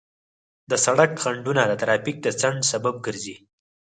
د سړک خنډونه د ترافیک د ځنډ سبب ګرځي.